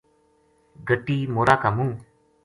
گَٹی مورا کا منہ